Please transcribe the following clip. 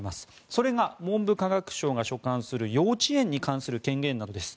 それが、文部科学省が所管する幼稚園に関する権限などです。